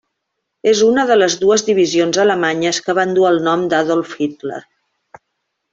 És una de les dues divisions alemanyes que van dur el nom d'Adolf Hitler.